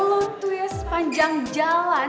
lo tuh ya sepanjang jalan